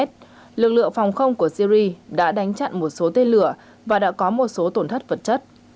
lực lượng phòng không của syri đã đánh chặn một số tên lửa và đã có một số tổn thất vật chất